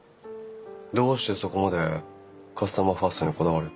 どうしてそこまでカスタマーファーストにこだわる？